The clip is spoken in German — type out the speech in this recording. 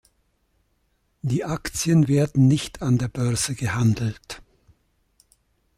Die Aktien werden nicht an der Börse gehandelt.